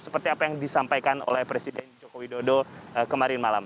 seperti apa yang disampaikan oleh presiden joko widodo kemarin malam